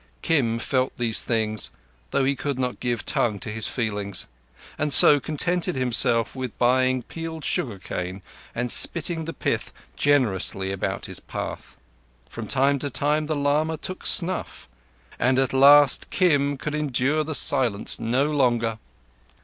Kim felt these things, though he could not give tongue to his feelings, and so contented himself with buying peeled sugar cane and spitting the pith generously about his path. From time to time the lama took snuff, and at last Kim could endure the silence no longer.